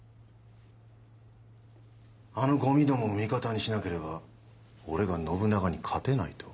あのゴミどもを味方にしなければ俺が信長に勝てないと？